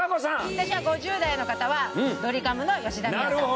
私は５０代の方はドリカムの吉田美和さん。